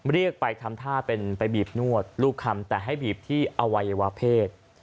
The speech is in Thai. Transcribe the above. เรียกไปทำท่าเป็นไปบีบนวดลูกคำแต่ให้บีบที่อวัยวะเพศ